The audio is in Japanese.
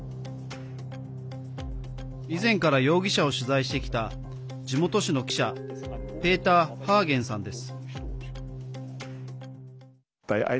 以前から容疑者を取材してきた地元紙の記者ペーター・ハーゲンさんです。